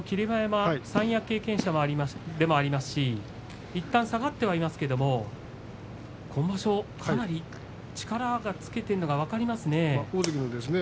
馬山三役経験者でもありますしいったん下がってはいますけれど今場所かなり力をつけていることが分かりますね。